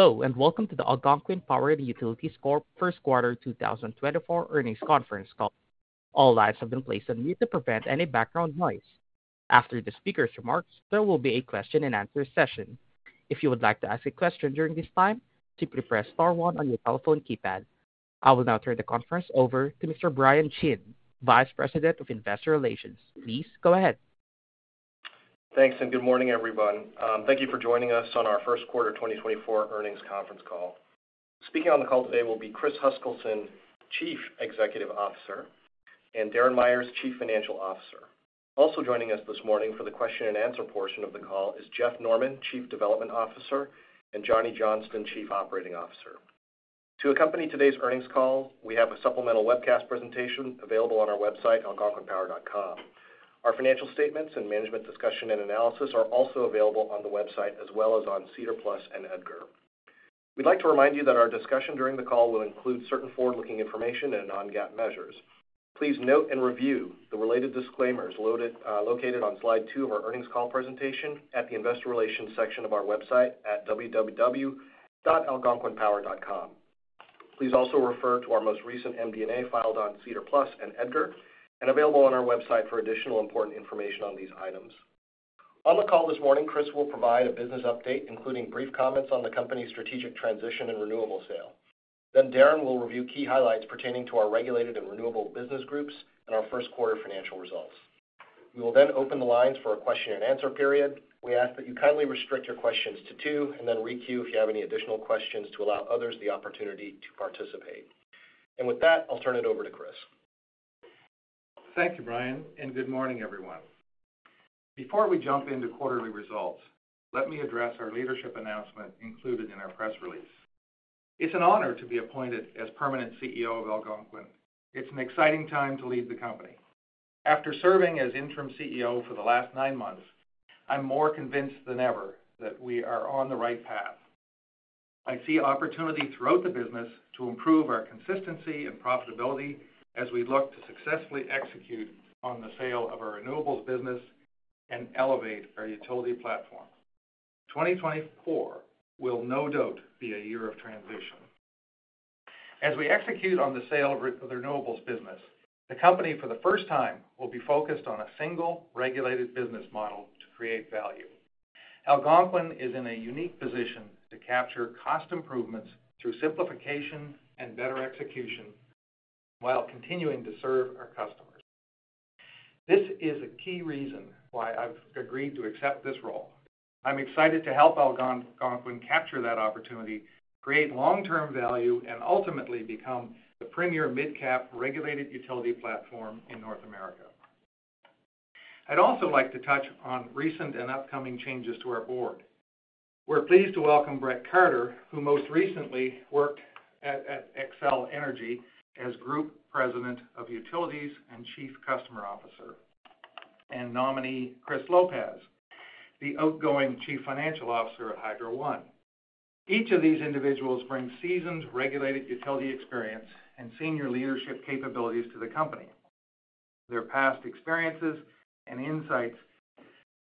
Hello and welcome to the Algonquin Power & Utilities Corp first quarter 2024 earnings conference call. All lines have been placed on mute to prevent any background noise. After the speaker's remarks, there will be a question-and-answer session. If you would like to ask a question during this time, simply press star 1 on your telephone keypad. I will now turn the conference over to Mr. Brian Chin, Vice President of Investor Relations. Please go ahead. Thanks and good morning, everyone. Thank you for joining us on our 1st Quarter 2024 earnings conference call. Speaking on the call today will be Chris Huskilson, Chief Executive Officer, and Darren Myers, Chief Financial Officer. Also joining us this morning for the question-and-answer portion of the call is Jeff Norman, Chief Development Officer, and Johnny Johnston, Chief Operating Officer. To accompany today's earnings call, we have a supplemental webcast presentation available on our website, algonquinpower.com. Our financial statements and management discussion and analysis are also available on the website as well as on SEDAR+ and EDGAR. We'd like to remind you that our discussion during the call will include certain forward-looking information and non-GAAP measures. Please note and review the related disclaimers located on slide 2 of our earnings call presentation at the Investor Relations section of our website at www.algonquinpower.com. Please also refer to our most recent MD&A filed on SEDAR+ and EDGAR and available on our website for additional important information on these items. On the call this morning, Chris will provide a business update including brief comments on the company's strategic transition and renewable sale. Then Darren will review key highlights pertaining to our regulated and renewable business groups and our 1st Quarter financial results. We will then open the lines for a question-and-answer period. We ask that you kindly restrict your questions to 2 and then re-queue if you have any additional questions to allow others the opportunity to participate. With that, I'll turn it over to Chris. Thank you, Brian, and good morning, everyone. Before we jump into quarterly results, let me address our leadership announcement included in our press release. It's an honor to be appointed as Permanent CEO of Algonquin. It's an exciting time to lead the company. After serving as Interim CEO for the last nine months, I'm more convinced than ever that we are on the right path. I see opportunity throughout the business to improve our consistency and profitability as we look to successfully execute on the sale of our renewables business and elevate our utility platform. 2024 will no doubt be a year of transition. As we execute on the sale of our renewables business, the company for the first time will be focused on a single regulated business model to create value. Algonquin is in a unique position to capture cost improvements through simplification and better execution while continuing to serve our customers. This is a key reason why I've agreed to accept this role. I'm excited to help Algonquin capture that opportunity, create long-term value, and ultimately become the premier mid-cap regulated utility platform in North America. I'd also like to touch on recent and upcoming changes to our board. We're pleased to welcome Brett Carter, who most recently worked at Xcel Energy as Group President of Utilities and Chief Customer Officer, and nominee Chris Lopez, the outgoing Chief Financial Officer at Hydro One. Each of these individuals brings seasoned regulated utility experience and senior leadership capabilities to the company. Their past experiences and insights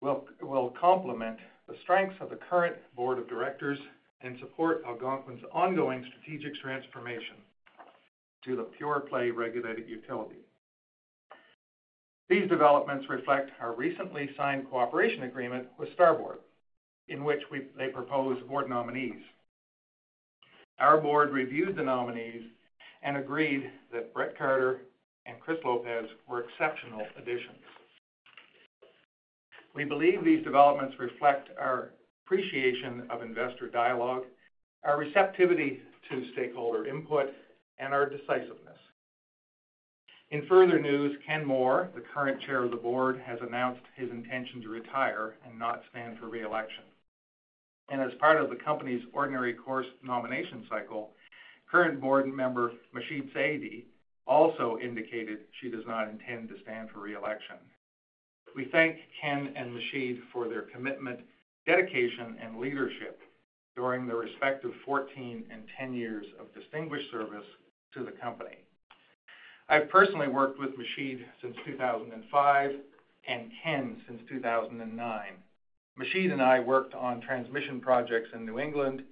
will complement the strengths of the current board of directors and support Algonquin's ongoing strategic transformation to the pure-play regulated utility. These developments reflect our recently signed cooperation agreement with Starboard, in which they propose board nominees. Our board reviewed the nominees and agreed that Brett Carter and Chris Lopez were exceptional additions. We believe these developments reflect our appreciation of investor dialogue, our receptivity to stakeholder input, and our decisiveness. In further news, Ken Moore, the current Chair of the board, has announced his intention to retire and not stand for reelection. As part of the company's ordinary course nomination cycle, current board member Masheed Saidi also indicated she does not intend to stand for reelection. We thank Ken and Masheed for their commitment, dedication, and leadership during the respective 14 and 10 years of distinguished service to the company. I've personally worked with Masheed since 2005 and Ken since 2009. Masheed and I worked on transmission projects in New England,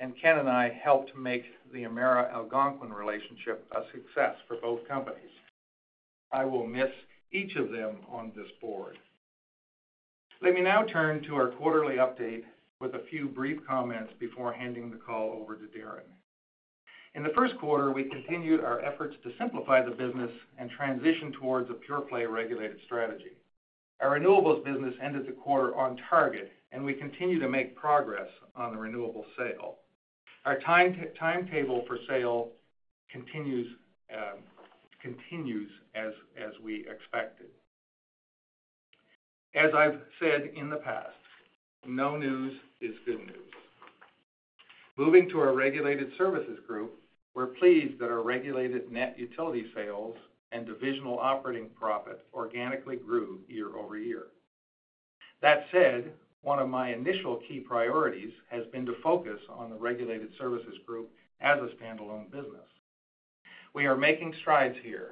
and Ken and I helped make the Emera-Algonquin relationship a success for both companies. I will miss each of them on this board. Let me now turn to our quarterly update with a few brief comments before handing the call over to Darren. In the first quarter, we continued our efforts to simplify the business and transition towards a pure-play regulated strategy. Our renewables business ended the quarter on target, and we continue to make progress on the renewable sale. Our timetable for sale continues as we expected. As I've said in the past, no news is good news. Moving to our regulated services group, we're pleased that our regulated net utility sales and divisional operating profit organically grew year-over-year. That said, one of my initial key priorities has been to focus on the regulated services group as a standalone business. We are making strides here,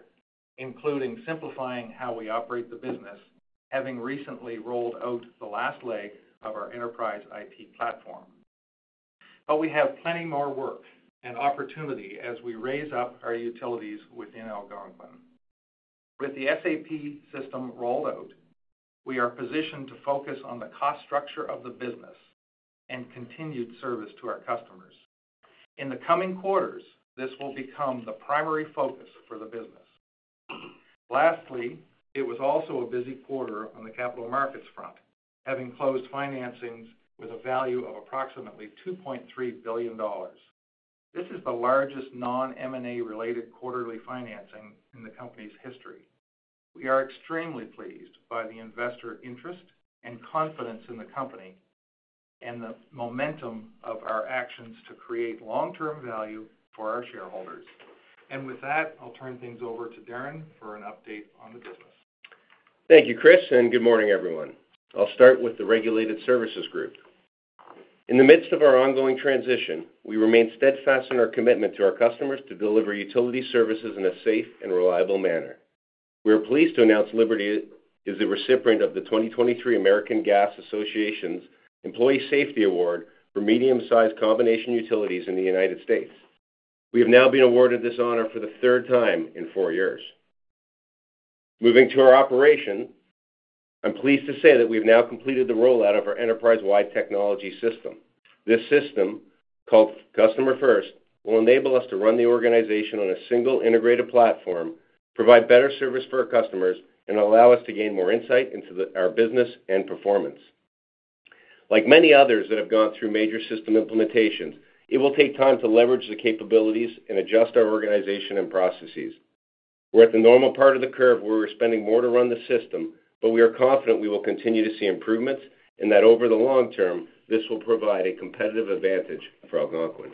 including simplifying how we operate the business, having recently rolled out the last leg of our enterprise IT platform. But we have plenty more work and opportunity as we raise up our utilities within Algonquin. With the SAP system rolled out, we are positioned to focus on the cost structure of the business and continued service to our customers. In the coming quarters, this will become the primary focus for the business. Lastly, it was also a busy quarter on the capital markets front, having closed financings with a value of approximately $2.3 billion. This is the largest non-M&A-related quarterly financing in the company's history. We are extremely pleased by the investor interest and confidence in the company and the momentum of our actions to create long-term value for our shareholders. With that, I'll turn things over to Darren for an update on the business. Thank you, Chris, and good morning, everyone. I'll start with the regulated services group. In the midst of our ongoing transition, we remain steadfast in our commitment to our customers to deliver utility services in a safe and reliable manner. We are pleased to announce Liberty is the recipient of the 2023 American Gas Association's Employee Safety Award for Medium-Sized Combination Utilities in the United States. We have now been awarded this honor for the third time in four years. Moving to our operation, I'm pleased to say that we have now completed the rollout of our enterprise-wide technology system. This system, called Customer First, will enable us to run the organization on a single integrated platform, provide better service for our customers, and allow us to gain more insight into our business and performance. Like many others that have gone through major system implementations, it will take time to leverage the capabilities and adjust our organization and processes. We're at the normal part of the curve where we're spending more to run the system, but we are confident we will continue to see improvements and that over the long term, this will provide a competitive advantage for Algonquin.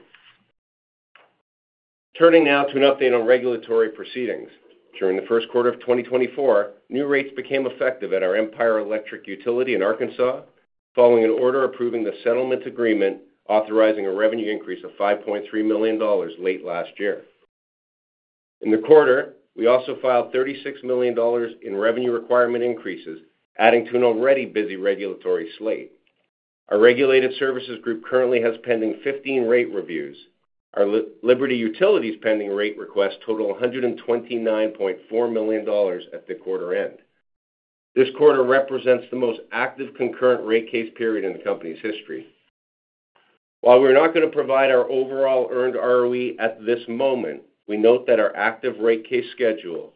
Turning now to an update on regulatory proceedings. During the first quarter of 2024, new rates became effective at our Empire Electric Utility in Arkansas following an order approving the settlement agreement authorizing a revenue increase of $5.3 million late last year. In the quarter, we also filed $36 million in revenue requirement increases, adding to an already busy regulatory slate. Our regulated services group currently has pending 15 rate reviews. Our Liberty Utilities pending rate request totaled $129.4 million at the quarter end. This quarter represents the most active concurrent rate case period in the company's history. While we're not going to provide our overall earned ROE at this moment, we note that our active rate case schedule,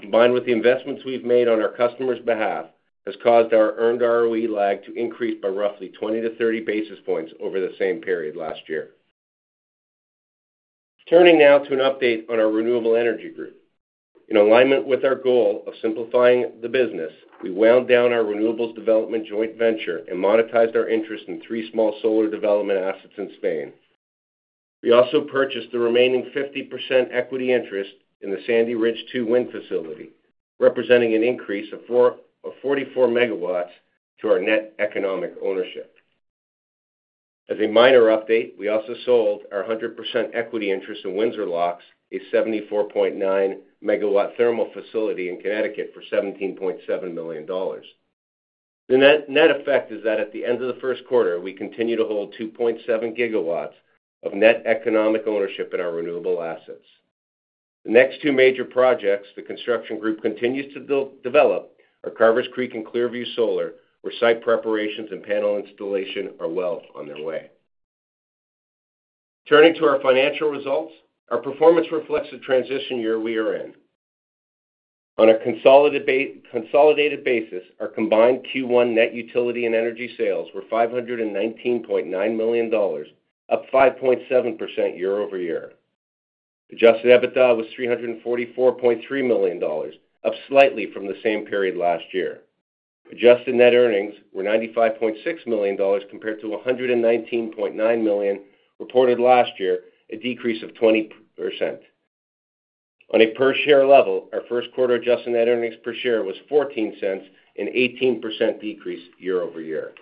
combined with the investments we've made on our customers' behalf, has caused our earned ROE lag to increase by roughly 20-30 basis points over the same period last year. Turning now to an update on our renewable energy group. In alignment with our goal of simplifying the business, we wound down our renewables development joint venture and monetized our interest in three small solar development assets in Spain. We also purchased the remaining 50% equity interest in the Sandy Ridge II wind facility, representing an increase of 44 MW to our net economic ownership. As a minor update, we also sold our 100% equity interest in Windsor Locks, a 74.9 megawatt thermal facility in Connecticut, for $17.7 million. The net effect is that at the end of the first quarter, we continue to hold 2.7 gigawatts of net economic ownership in our renewable assets. The next two major projects the construction group continues to develop are Carvers Creek and Clearview Solar, where site preparations and panel installation are well on their way. Turning to our financial results, our performance reflects the transition year we are in. On a consolidated basis, our combined Q1 net utility and energy sales were $519.9 million, up 5.7% year-over-year. Adjusted EBITDA was $344.3 million, up slightly from the same period last year. Adjusted net earnings were $95.6 million compared to $119.9 million reported last year, a decrease of 20%. On a per-share level, our first quarter adjusted net earnings per share was $0.14, an 18% decrease year-over-year.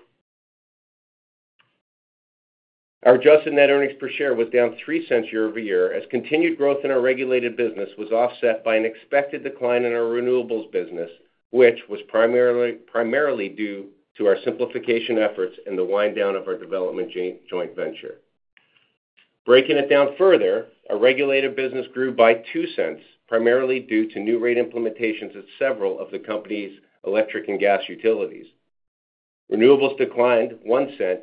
Our adjusted net earnings per share was down $0.03 year-over-year as continued growth in our regulated business was offset by an expected decline in our renewables business, which was primarily due to our simplification efforts and the wind-down of our development joint venture. Breaking it down further, our regulated business grew by $0.02 primarily due to new rate implementations at several of the company's electric and gas utilities. Renewables declined $0.01,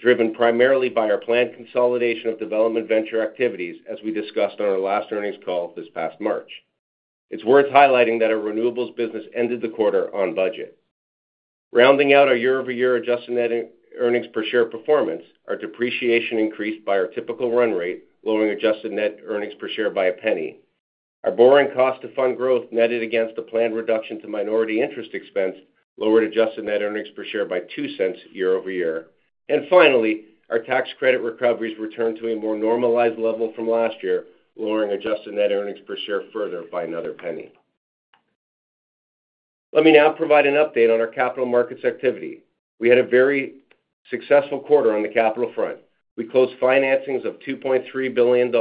driven primarily by our planned consolidation of development venture activities, as we discussed on our last earnings call this past March. It's worth highlighting that our renewables business ended the quarter on budget. Rounding out our year-over-year adjusted net earnings per share performance, our depreciation increased by our typical run rate, lowering adjusted net earnings per share by $0.01. Our borrowing cost-to-fund growth netted against a planned reduction to minority interest expense lowered adjusted net earnings per share by $0.02 year-over-year. And finally, our tax credit recoveries returned to a more normalized level from last year, lowering adjusted net earnings per share further by another $0.01. Let me now provide an update on our capital markets activity. We had a very successful quarter on the capital front. We closed financings of $2.3 billion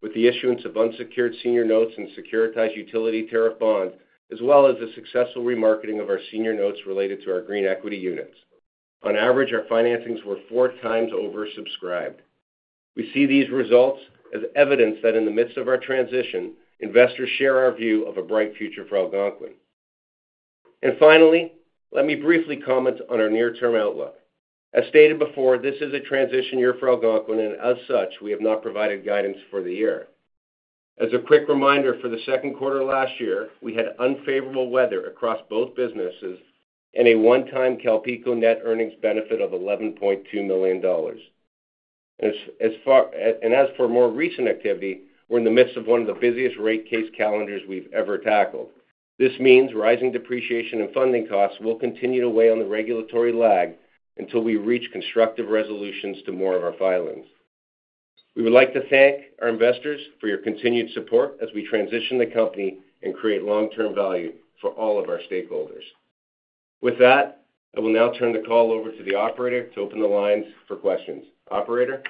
with the issuance of unsecured senior notes and securitized utility tariff bonds, as well as the successful remarketing of our senior notes related to our green equity units. On average, our financings were four times oversubscribed. We see these results as evidence that in the midst of our transition, investors share our view of a bright future for Algonquin. Finally, let me briefly comment on our near-term outlook. As stated before, this is a transition year for Algonquin, and as such, we have not provided guidance for the year. As a quick reminder, for the 2nd Quarter last year, we had unfavorable weather across both businesses and a one-time CalPeco net earnings benefit of $11.2 million. As for more recent activity, we're in the midst of one of the busiest rate case calendars we've ever tackled. This means rising depreciation and funding costs will continue to weigh on the regulatory lag until we reach constructive resolutions to more of our filings. We would like to thank our investors for your continued support as we transition the company and create long-term value for all of our stakeholders. With that, I will now turn the call over to the operator to open the lines for questions. Operator?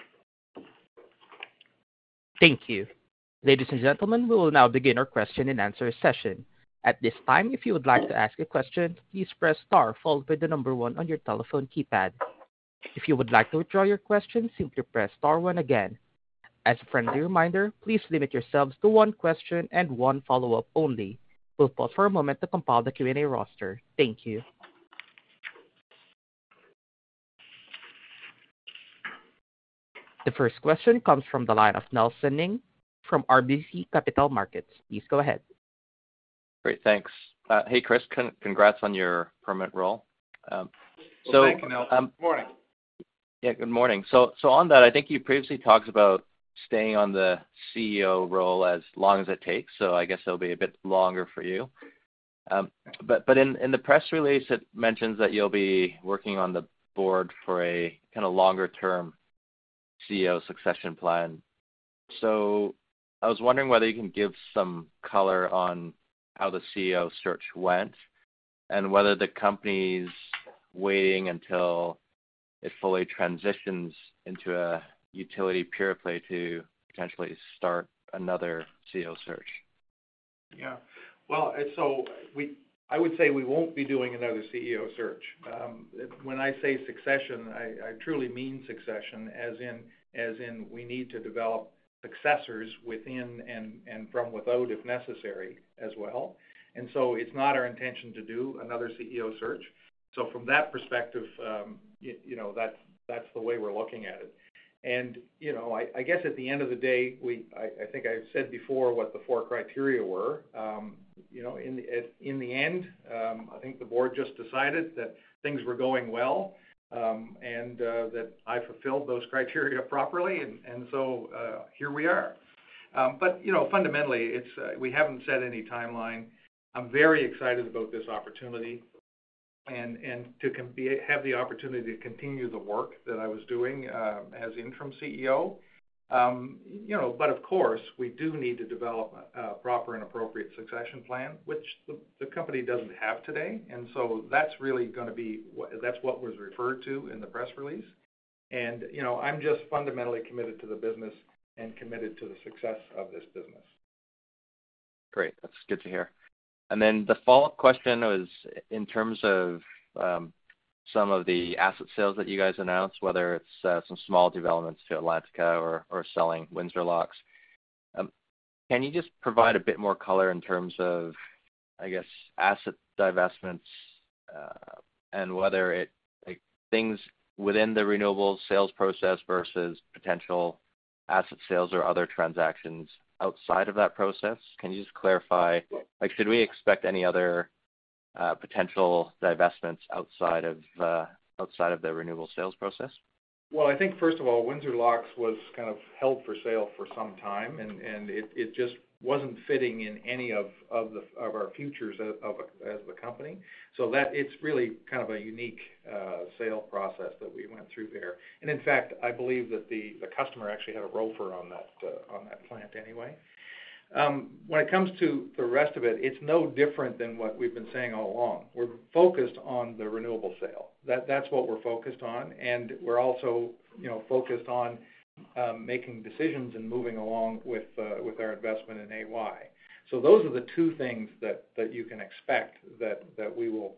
Thank you. Ladies and gentlemen, we will now begin our question and answer session. At this time, if you would like to ask a question, please press * followed by the number 1 on your telephone keypad. If you would like to withdraw your question, simply press * again. As a friendly reminder, please limit yourselves to one question and one follow-up only. We'll pause for a moment to compile the Q&A roster. Thank you. The first question comes from the line of Nelson Ng from RBC Capital Markets. Please go ahead. Great. Thanks. Hey, Chris. Congrats on your permanent role. So. Thank you, Nelson. Good morning. Yeah. Good morning. So on that, I think you previously talked about staying on the CEO role as long as it takes, so I guess it'll be a bit longer for you. But in the press release, it mentions that you'll be working on the board for a kind of longer-term CEO succession plan. So I was wondering whether you can give some color on how the CEO search went and whether the company's waiting until it fully transitions into a utility pure-play to potentially start another CEO search? Yeah. Well, so I would say we won't be doing another CEO search. When I say succession, I truly mean succession as in we need to develop successors within and from without, if necessary, as well. And so it's not our intention to do another CEO search. So from that perspective, that's the way we're looking at it. And I guess at the end of the day, I think I've said before what the four criteria were. In the end, I think the board just decided that things were going well and that I fulfilled those criteria properly, and so here we are. But fundamentally, we haven't set any timeline. I'm very excited about this opportunity and to have the opportunity to continue the work that I was doing as interim CEO. But of course, we do need to develop a proper and appropriate succession plan, which the company doesn't have today. And so that's really going to be what was referred to in the press release. And I'm just fundamentally committed to the business and committed to the success of this business. Great. That's good to hear. And then the follow-up question was in terms of some of the asset sales that you guys announced, whether it's some small developments to Atlantica or selling Windsor Locks. Can you just provide a bit more color in terms of, I guess, asset divestments and whether it's things within the renewables sales process versus potential asset sales or other transactions outside of that process? Can you just clarify? Should we expect any other potential divestments outside of the renewable sales process? Well, I think, first of all, Windsor Locks was kind of held for sale for some time, and it just wasn't fitting in any of our futures as the company. So it's really kind of a unique sale process that we went through there. And in fact, I believe that the customer actually had a ROFR on that plant anyway. When it comes to the rest of it, it's no different than what we've been saying all along. We're focused on the renewable sale. That's what we're focused on. And we're also focused on making decisions and moving along with our investment in AY. So those are the two things that you can expect that we will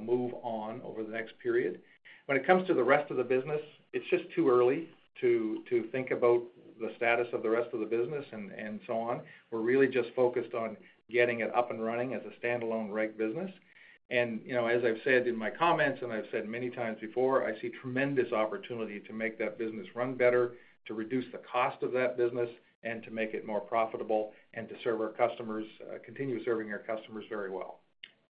move on over the next period. When it comes to the rest of the business, it's just too early to think about the status of the rest of the business and so on. We're really just focused on getting it up and running as a standalone reg business. As I've said in my comments, and I've said many times before, I see tremendous opportunity to make that business run better, to reduce the cost of that business, and to make it more profitable and to continue serving our customers very well.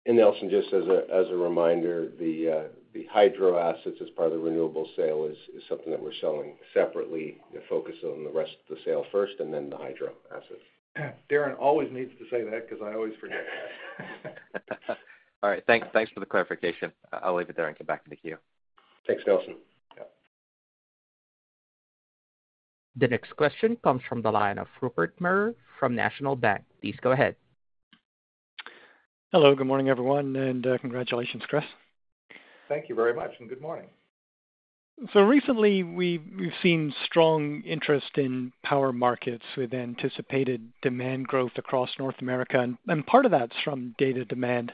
Nelson, just as a reminder, the hydro assets as part of the renewable sale is something that we're selling separately. The focus is on the rest of the sale first and then the hydro assets. Darren always needs to say that because I always forget that. All right. Thanks for the clarification. I'll leave it there and come back to the Q. Thanks, Nelson. Yep. The next question comes from the line of Rupert Merer from National Bank. Please go ahead. Hello. Good morning, everyone. And congratulations, Chris. Thank you very much. Good morning. Recently, we've seen strong interest in power markets. We've anticipated demand growth across North America, and part of that's from data demand.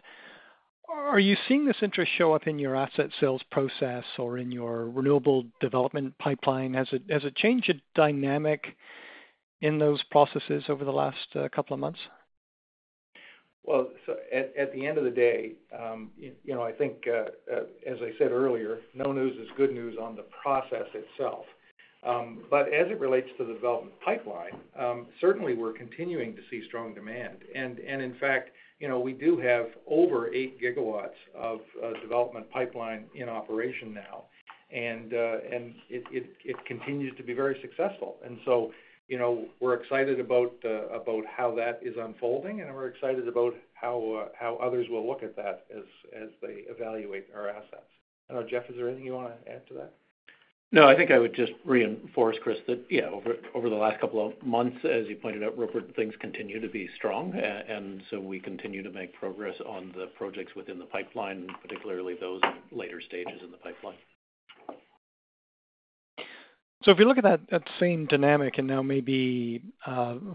Are you seeing this interest show up in your asset sales process or in your renewable development pipeline? Has it changed the dynamic in those processes over the last couple of months? Well, so at the end of the day, I think, as I said earlier, no news is good news on the process itself. But as it relates to the development pipeline, certainly, we're continuing to see strong demand. And in fact, we do have over 8 gigawatts of development pipeline in operation now, and it continues to be very successful. And so we're excited about how that is unfolding, and we're excited about how others will look at that as they evaluate our assets. I don't know, Jeff, is there anything you want to add to that? No. I think I would just reinforce, Chris, that yeah, over the last couple of months, as you pointed out, Rupert, things continue to be strong, and so we continue to make progress on the projects within the pipeline, particularly those in later stages in the pipeline. If you look at that same dynamic and now maybe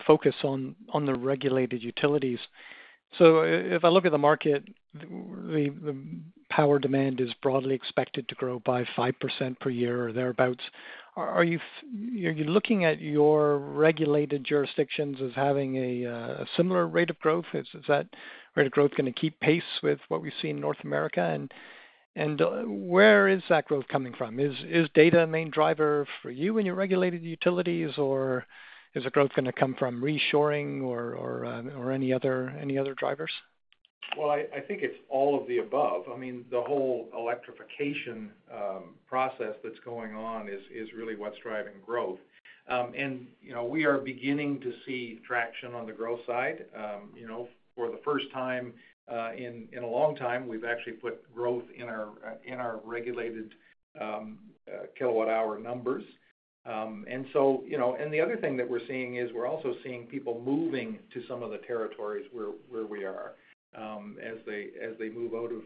focus on the regulated utilities so if I look at the market, the power demand is broadly expected to grow by 5% per year or thereabouts. Are you looking at your regulated jurisdictions as having a similar rate of growth? Is that rate of growth going to keep pace with what we've seen in North America? And where is that growth coming from? Is data a main driver for you and your regulated utilities, or is the growth going to come from reshoring or any other drivers? Well, I think it's all of the above. I mean, the whole electrification process that's going on is really what's driving growth. And we are beginning to see traction on the growth side. For the first time in a long time, we've actually put growth in our regulated Kilowatt-hour numbers. And the other thing that we're seeing is we're also seeing people moving to some of the territories where we are as they move out of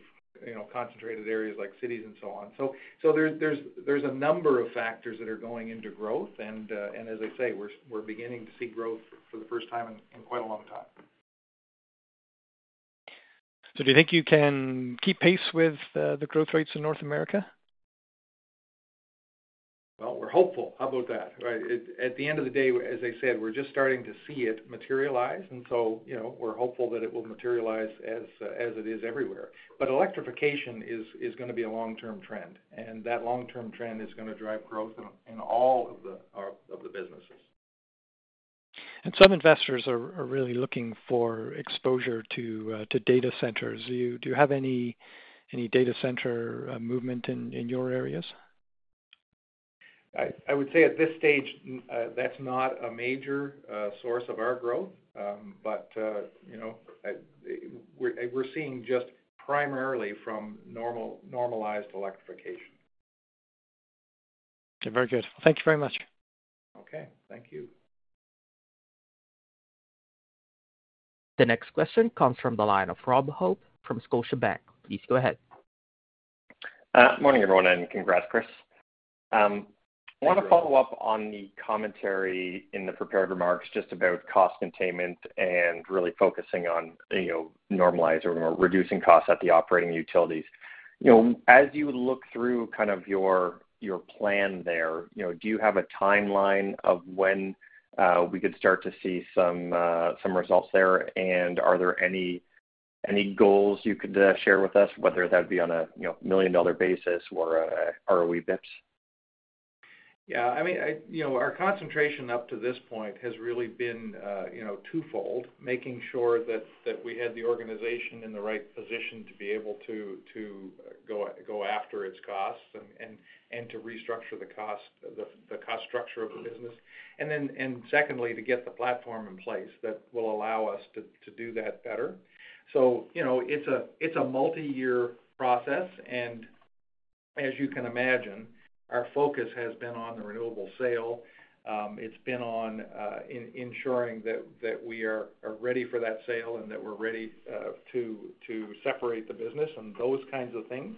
concentrated areas like cities and so on. So there's a number of factors that are going into growth. And as I say, we're beginning to see growth for the first time in quite a long time. Do you think you can keep pace with the growth rates in North America? Well, we're hopeful. How about that? At the end of the day, as I said, we're just starting to see it materialize. And so we're hopeful that it will materialize as it is everywhere. But electrification is going to be a long-term trend, and that long-term trend is going to drive growth in all of the businesses. Some investors are really looking for exposure to data centers. Do you have any data center movement in your areas? I would say at this stage, that's not a major source of our growth. But we're seeing just primarily from normalized electrification. Okay. Very good. Thank you very much. Okay. Thank you. The next question comes from the line of Rob Hope from Scotiabank. Please go ahead. Morning, everyone, and congrats, Chris. I want to follow up on the commentary in the prepared remarks just about cost containment and really focusing on normalizing or reducing costs at the operating utilities. As you look through kind of your plan there, do you have a timeline of when we could start to see some results there? And are there any goals you could share with us, whether that'd be on a million-dollar basis or ROE bips? Yeah. I mean, our concentration up to this point has really been twofold: making sure that we had the organization in the right position to be able to go after its costs and to restructure the cost structure of the business, and then secondly, to get the platform in place that will allow us to do that better. So it's a multi-year process. And as you can imagine, our focus has been on the renewable sale. It's been on ensuring that we are ready for that sale and that we're ready to separate the business and those kinds of things.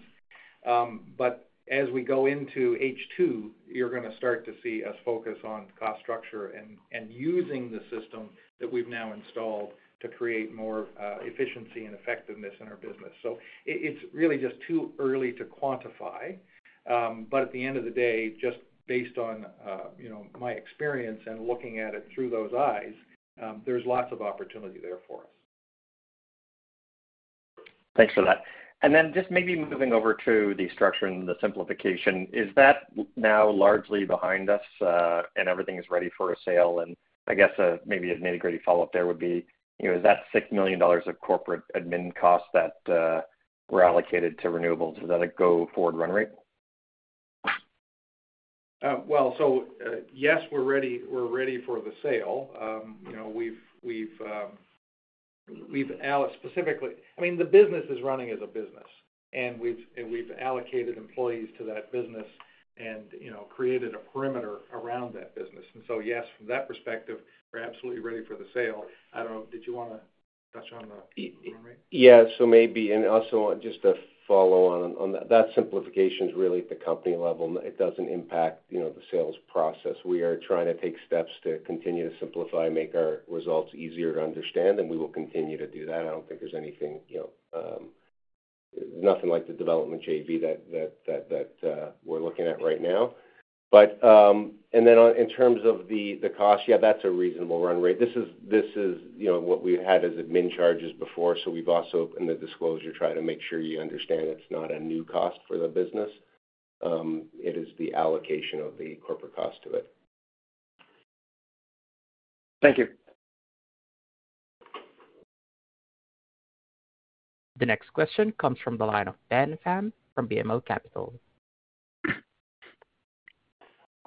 But as we go into H2, you're going to start to see us focus on cost structure and using the system that we've now installed to create more efficiency and effectiveness in our business. So it's really just too early to quantify. But at the end of the day, just based on my experience and looking at it through those eyes, there's lots of opportunity there for us. Thanks for that. And then just maybe moving over to the structure and the simplification, is that now largely behind us, and everything is ready for a sale? And I guess maybe a nitty-gritty follow-up there would be, is that $6 million of corporate admin costs that were allocated to renewables? Is that a go-forward run rate? Well, so yes, we're ready for the sale. We've specifically, I mean, the business is running as a business, and we've allocated employees to that business and created a perimeter around that business. And so yes, from that perspective, we're absolutely ready for the sale. I don't know. Did you want to touch on the run rate? Yeah. And also just to follow on that, that simplification's really at the company level. It doesn't impact the sales process. We are trying to take steps to continue to simplify, make our results easier to understand, and we will continue to do that. I don't think there's anything like the development JV that we're looking at right now. And then in terms of the cost, yeah, that's a reasonable run rate. This is what we had as admin charges before. So we've also, in the disclosure, tried to make sure you understand it's not a new cost for the business. It is the allocation of the corporate cost to it. Thank you. The next question comes from the line of Ben Pham from BMO Capital.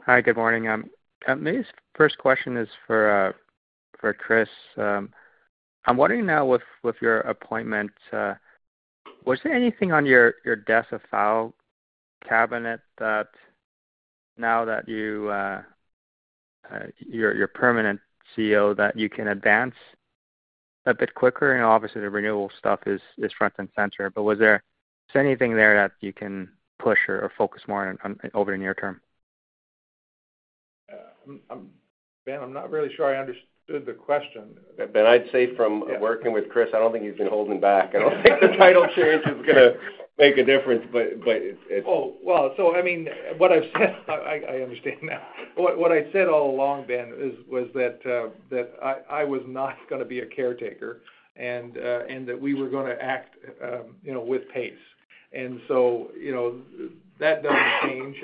Hi. Good morning. My first question is for Chris. I'm wondering now with your appointment, was there anything on your desk or file cabinet now that you're the permanent CEO that you can advance a bit quicker? Obviously, the renewable stuff is front and center, but was there anything there that you can push or focus more on over the near term? Ben, I'm not really sure I understood the question. Ben, I'd say from working with Chris, I don't think he's been holding back. I don't think the title change is going to make a difference, but it's. Oh, well, so I mean, what I've said I understand now. What I said all along, Ben, was that I was not going to be a caretaker and that we were going to act with pace. And so that doesn't change.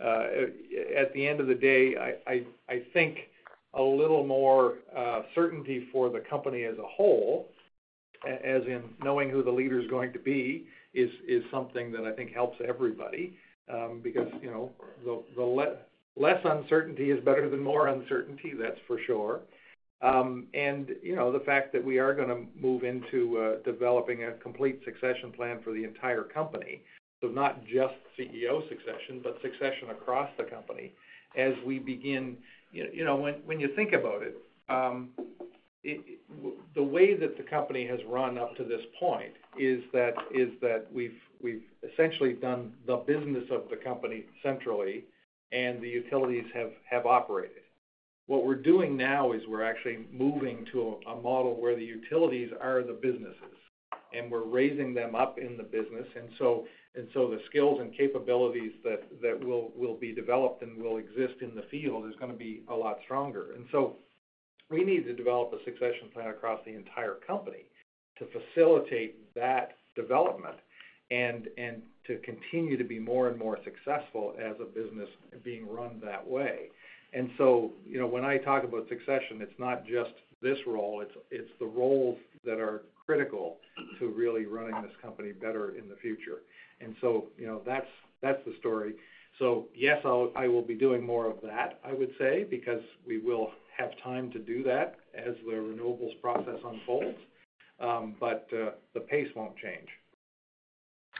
At the end of the day, I think a little more certainty for the company as a whole, as in knowing who the leader's going to be, is something that I think helps everybody because the less uncertainty is better than more uncertainty, that's for sure. And the fact that we are going to move into developing a complete succession plan for the entire company, so not just CEO succession, but succession across the company. As we begin, when you think about it, the way that the company has run up to this point is that we've essentially done the business of the company centrally, and the utilities have operated. What we're doing now is we're actually moving to a model where the utilities are the businesses, and we're raising them up in the business. And so the skills and capabilities that will be developed and will exist in the field is going to be a lot stronger. And so we need to develop a succession plan across the entire company to facilitate that development and to continue to be more and more successful as a business being run that way. And so when I talk about succession, it's not just this role. It's the roles that are critical to really running this company better in the future. And so that's the story. So yes, I will be doing more of that, I would say, because we will have time to do that as the renewables process unfolds. But the pace won't change.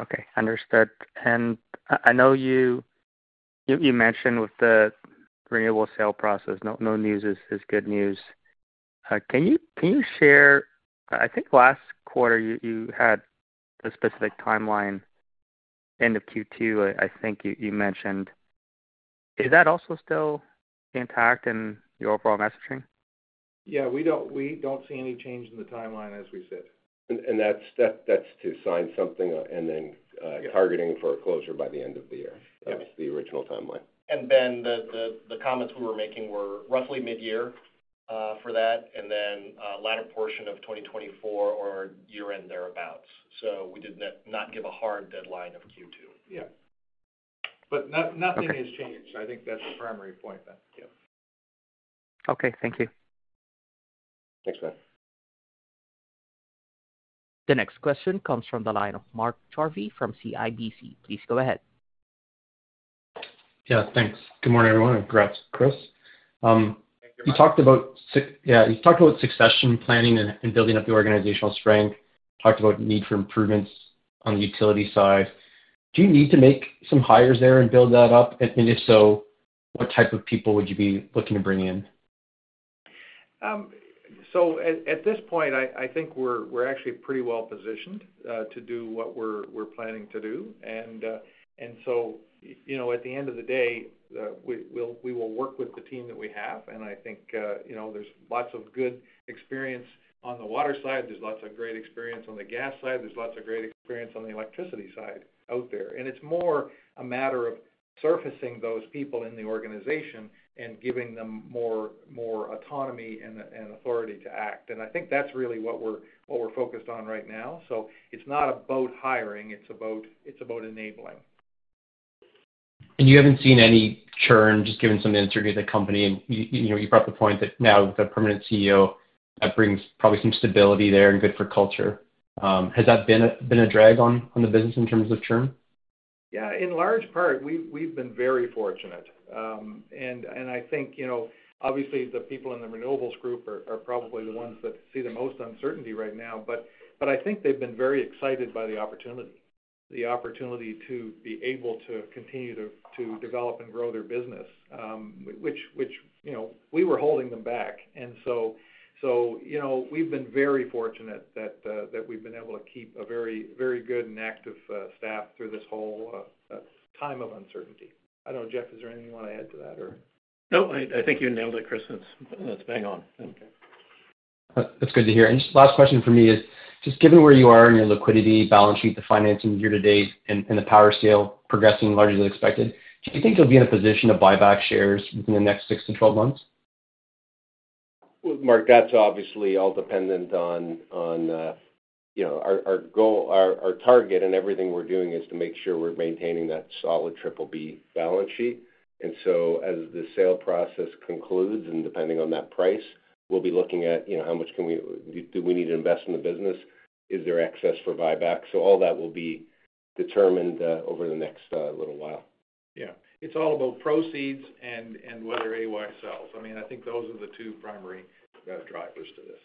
Okay. Understood. And I know you mentioned with the renewable sale process, no news is good news. Can you share? I think last quarter, you had a specific timeline, end of Q2, I think you mentioned. Is that also still intact in your overall messaging? Yeah. We don't see any change in the timeline as we sit. That's to sign something and then targeting for a closure by the end of the year. That was the original timeline. Ben, the comments we were making were roughly mid-year for that and then latter portion of 2024 or year-end thereabouts. We did not give a hard deadline of Q2. Yeah. But nothing has changed. I think that's the primary point, Ben. Okay. Thank you. Thanks, Ben. The next question comes from the line of Mark Jarvi from CIBC. Please go ahead. Yeah. Thanks. Good morning, everyone, and congrats, Chris. You talked about succession planning and building up the organizational strength, talked about need for improvements on the utility side. Do you need to make some hires there and build that up? And if so, what type of people would you be looking to bring in? So at this point, I think we're actually pretty well positioned to do what we're planning to do. And so at the end of the day, we will work with the team that we have. And I think there's lots of good experience on the water side. There's lots of great experience on the gas side. There's lots of great experience on the electricity side out there. And it's more a matter of surfacing those people in the organization and giving them more autonomy and authority to act. And I think that's really what we're focused on right now. So it's not about hiring. It's about enabling. You haven't seen any churn, just given some of the interviews at the company? You brought up the point that now with a permanent CEO, that brings probably some stability there and good for culture. Has that been a drag on the business in terms of churn? Yeah. In large part, we've been very fortunate. And I think, obviously, the people in the renewables group are probably the ones that see the most uncertainty right now. But I think they've been very excited by the opportunity, the opportunity to be able to continue to develop and grow their business, which we were holding them back. And so we've been very fortunate that we've been able to keep a very good and active staff through this whole time of uncertainty. I don't know, Jeff, is there anything you want to add to that, or? Nope. I think you nailed it, Chris. That's bang on. Okay. That's good to hear. And just last question for me is, just given where you are in your liquidity balance sheet, the financing year-to-date, and the power sale progressing largely as expected, do you think you'll be in a position to buy back shares within the next 6-12 months? Well, Mark, that's obviously all dependent on our goal. Our target and everything we're doing is to make sure we're maintaining that solid BBB balance sheet. So as the sale process concludes, and depending on that price, we'll be looking at how much do we need to invest in the business? Is there excess for buyback? So all that will be determined over the next little while. Yeah. It's all about proceeds and whether AY sells. I mean, I think those are the two primary drivers to this.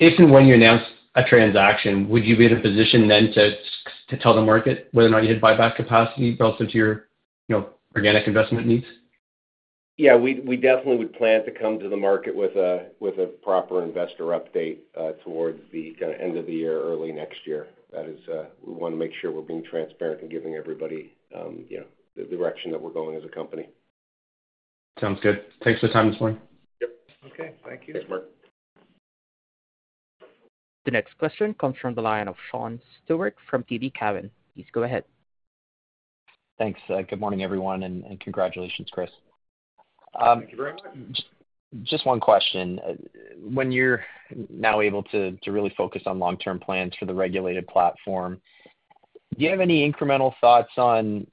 If and when you announce a transaction, would you be in a position then to tell the market whether or not you had buyback capacity relative to your organic investment needs? Yeah. We definitely would plan to come to the market with a proper investor update towards the end of the year, early next year. We want to make sure we're being transparent and giving everybody the direction that we're going as a company. Sounds good. Thanks for the time this morning. Yep. Okay. Thank you. Thanks, Mark. The next question comes from the line of Sean Steuart from TD Cowen. Please go ahead. Thanks. Good morning, everyone, and congratulations, Chris. Thank you very much. Just one question. When you're now able to really focus on long-term plans for the regulated platform, do you have any incremental thoughts on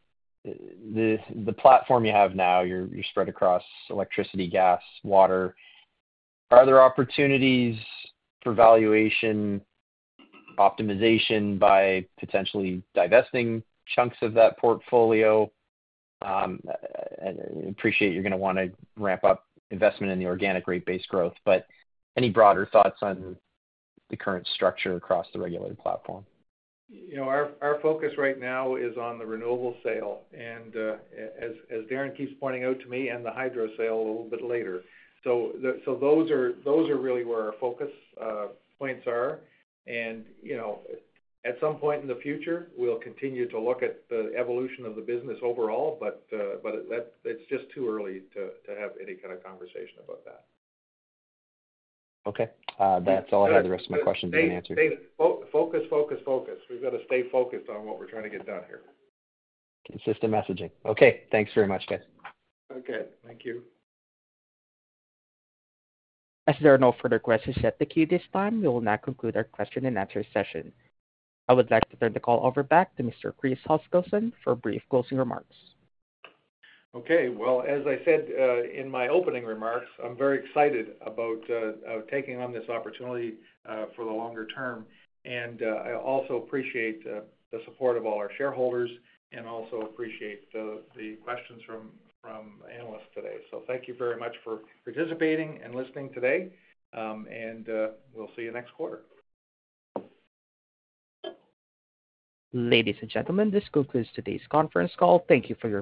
the platform you have now? You're spread across electricity, gas, water. Are there opportunities for valuation, optimization by potentially divesting chunks of that portfolio? I appreciate you're going to want to ramp up investment in the organic rate base growth, but any broader thoughts on the current structure across the regulated platform? Our focus right now is on the renewable sale. And as Darren keeps pointing out to me, and the hydro sale a little bit later. So those are really where our focus points are. And at some point in the future, we'll continue to look at the evolution of the business overall, but it's just too early to have any kind of conversation about that. Okay. That's all I had. The rest of my questions have been answered. Focus, focus, focus. We've got to stay focused on what we're trying to get done here. Consistent messaging. Okay. Thanks very much, guys. Okay. Thank you. As there are no further questions at the queue this time, we will now conclude our question-and-answer session. I would like to turn the call over back to Mr. Chris Huskilson for brief closing remarks. Okay. Well, as I said in my opening remarks, I'm very excited about taking on this opportunity for the longer term. I also appreciate the support of all our shareholders and also appreciate the questions from analysts today. Thank you very much for participating and listening today, and we'll see you next quarter. Ladies and gentlemen, this concludes today's conference call. Thank you for.